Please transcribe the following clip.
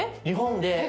日本で。